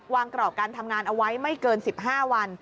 กรอบการทำงานเอาไว้ไม่เกิน๑๕วัน